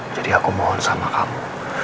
jadi aku mohon sama kamu